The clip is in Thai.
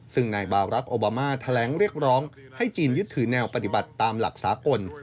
ซึ่งนายบารักษ์โอบามาแถลงเรียกร้องให้จีนยึดถือแนวปฏิบัติตามหลักสากล